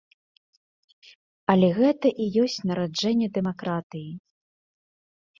Але гэта і ёсць нараджэнне дэмакратыі.